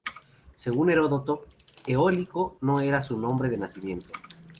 Según Heródoto, Eólico no era su nombre de nacimiento.